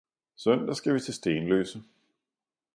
Søndag skal vi til Stenløse